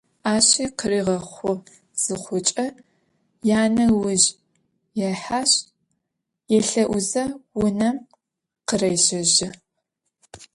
Aşi khıriğexhu zıxhuç'e, yane ıujj yêheşs, yêlhe'uze vunem khırêşejı.